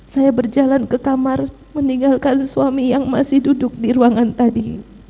saya berjalan ke kamar meninggalkan suami yang masih duduk di ruangan tadi